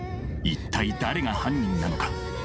一体誰が犯人なのか。